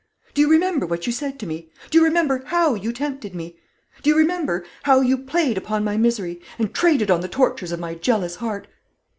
Do you remember what you said to me? Do you remember how you tempted me? Do you remember how you played upon my misery, and traded on the tortures of my jealous heart?